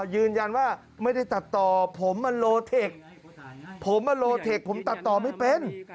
ยืนยันว่าไม่ได้ตัดต่อผมมันโลเทคผมมาโลเทคผมตัดต่อไม่เป็น